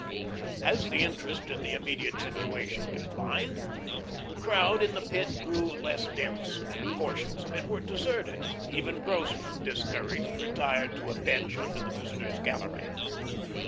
As the interest in the immediate situation declined, the crowd in the Pit grew less dense. Portions of it were deserted; even Grossmann, discouraged, retired to a bench under the visitors' gallery.